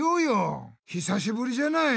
ひさしぶりじゃない？